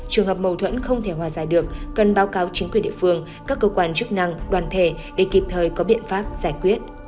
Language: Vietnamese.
trường hợp màu thuẫn không thể hòa giải được cần báo cáo chính quyền địa phương các cơ quan chức năng đoàn thể để kịp thời có biện pháp giải quyết